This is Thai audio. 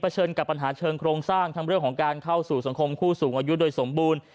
เชิญกับปัญหาเชิงโครงสร้างทั้งเรื่องของการเข้าสู่สังคมผู้สูงอายุโดยสมบูรณ์